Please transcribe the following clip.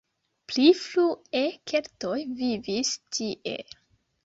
Pli frue keltoj vivis tie.